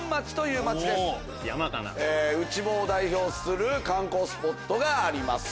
内房を代表する観光スポットがあります。